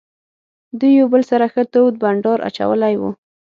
دوی یو له بل سره ښه تود بانډار اچولی وو.